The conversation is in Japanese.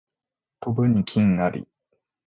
飛ぶに禽あり